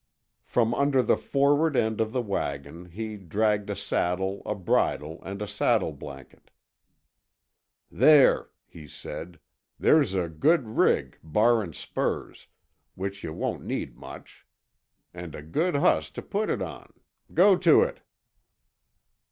From under the forward end of the wagon he dragged a saddle, a bridle and a saddle blanket. "There," he said, "there's a good rig, barrin' spurs—which yuh won't need much. And a good hoss to put it on. Go to it."